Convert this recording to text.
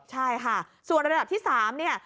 ใช่ค่ะส่วนระดับที่๓เนี่ย